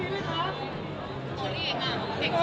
มันยอดทั้งประโยคเกิด